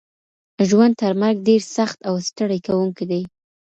ژوند تر مرګ ډیر سخت او ستړی کوونکی دی.